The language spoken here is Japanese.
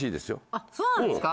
あっそうなんですか？